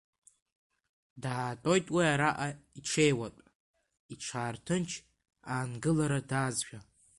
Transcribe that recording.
Даатәоит уи араҟа иҽеиуатә, иҽаарҭынч, аангылара даазшәа.